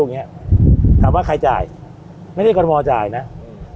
อย่างเงี้ยถามว่าใครจ่ายไม่ได้กรทมจ่ายนะอืม